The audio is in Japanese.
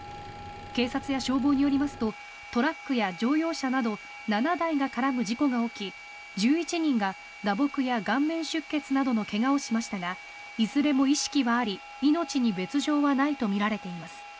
警察や消防によりますとトラックや乗用車など７台が絡む事故が起き１１人が打撲や顔面出血などの怪我をしましたがいずれも意識はあり命に別条はないとみられています。